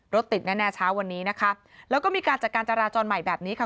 รถติดแน่แน่เช้าวันนี้นะคะแล้วก็มีการจัดการจราจรใหม่แบบนี้ค่ะ